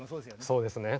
そうですね